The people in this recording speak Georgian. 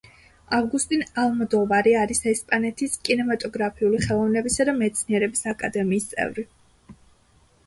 ავგუსტინ ალმოდოვარი არის ესპანეთის კინემატოგრაფიული ხელოვნებისა და მეცნიერების აკადემიის წევრი.